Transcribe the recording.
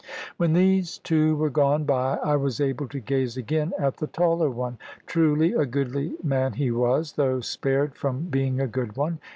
When these two were gone by, I was able to gaze again at the taller one. Truly a goodly man he was, though spared from being a good one.